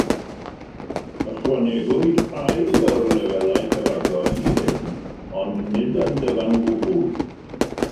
Ychwanegwyd rhai o'r lefelau cyfagos i hyn, ond nid yn gyfan gwbl.